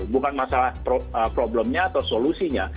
bukan masalah problemnya atau solusinya